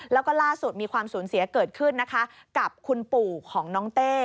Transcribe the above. แล้วก็ล่าสุดมีความสูญเสียเกิดขึ้นนะคะกับคุณปู่ของน้องเต้